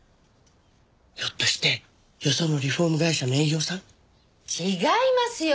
ひょっとしてよそのリフォーム会社の営業さん？違いますよ！